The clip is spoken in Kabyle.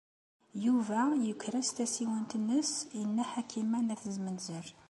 Yuba yuker-as tasiwant-nnes i Nna Ḥakima n At Zmenzer.